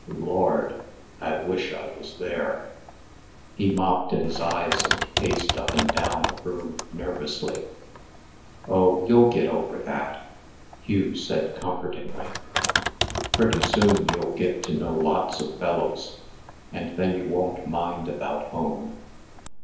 Lord! I wish I was there!" He mopped at his eyes and paced up and down the room nervously. "Oh, you'll get over that," Hugh said comfortingly. "Pretty soon you'll get to know lots of fellows, and then you won't mind about home."